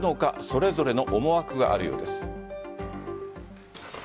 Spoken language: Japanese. それぞれの思惑があるようです。